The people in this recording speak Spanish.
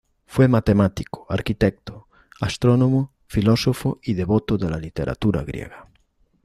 Fue matemático, arquitecto, astrónomo, filósofo y devoto de la literatura griega.